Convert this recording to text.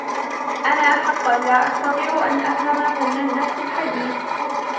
أنا حقا لا أستطيع أن أفهم فن النحت الحديث.